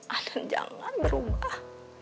aden jangan berubah